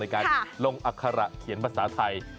การลงอัคระเขียนภาษาไทย